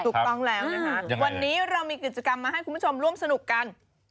ถูกต้องแล้วนะคะวันนี้เรามีกิจกรรมมาให้คุณผู้ชมร่วมสนุกกัน